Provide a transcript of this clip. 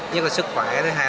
nhất là sức khỏe mặt hình thần